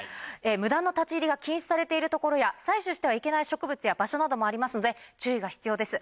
無断の立ち入りが禁止されている所や採取してはいけない植物や場所などもありますので注意が必要です。